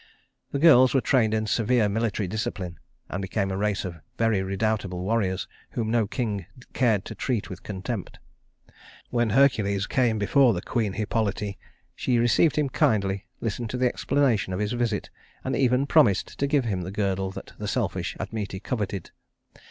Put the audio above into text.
The girls were trained in severe military discipline, and became a race of very redoubtable warriors whom no king cared to treat with contempt. When Hercules came before the queen Hippolyte, she received him kindly, listened to the explanation of his visit, and even promised to give him the girdle that the selfish Admete coveted.